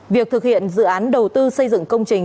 việc thực hiện dự án đầu tư xây dựng công trình